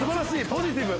ポジティブ